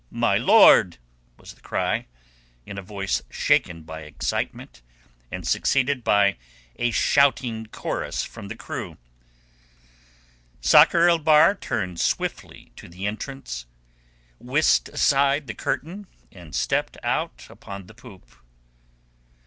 My lord!" was the cry, in a voice shaken by excitement, and succeeded by a shouting chorus from the crew. Sakr el Bahr turned swiftly to the entrance, whisked aside the curtain, and stepped out upon the poop.